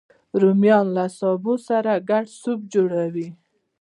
رومیان له سابه سره ګډ سوپ جوړوي